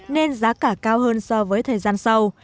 nên giá cả cao hơn so với thời gian sau